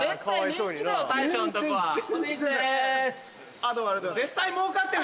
あっどうもありがとうございます。